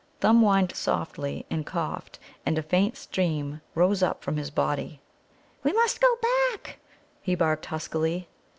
Thumb whined softly and coughed, and a faint steam rose up from his body. "We must go back," he barked huskily.